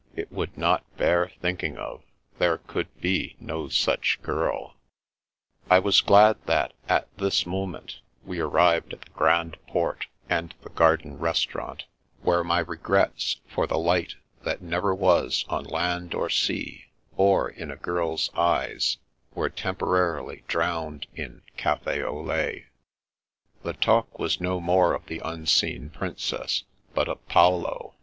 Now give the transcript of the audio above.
It would not bear thinking of. There could be no such girl. I was glad that, at this moment, we arrived at the Grand Port, and the garden restaurant, where my 264 The Princess Passes regrets for the light that never was on land or sea — or in a girl's eyes — ^were temporarily drowned in cafi au lait The talk was no more of the unseen Princess, but of Paolo.